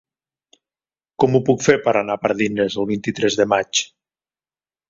Com ho puc fer per anar a Pardines el vint-i-tres de maig?